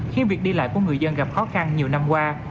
khiến việc đi lại của người dân gặp khó khăn nhiều năm qua